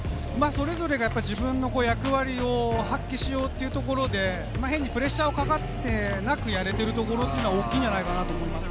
それぞれが自分の役割を発揮しようというところで、変にプレッシャーがかかっていなく、やれていることは大きいんじゃないかなと思います。